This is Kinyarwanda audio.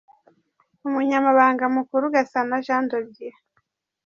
Umunyamabanga Mukuru : Gasana Jean de Dieu.